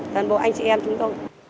thân phục anh chị em chúng tôi